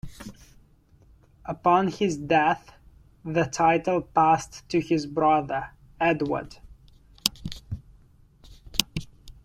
Upon his death, the title passed to his brother Edward.